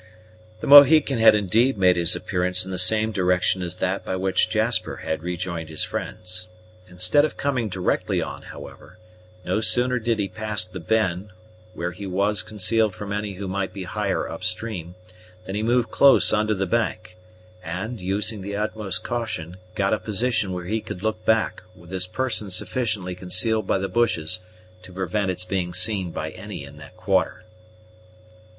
The Mohican had indeed made his appearance in the same direction as that by which Jasper had rejoined his friends. Instead of coming directly on, however, no sooner did he pass the bend, where he was concealed from any who might be higher up stream, than he moved close under the bank; and, using the utmost caution, got a position where he could look back, with his person sufficiently concealed by the bushes to prevent its being seen by any in that quarter.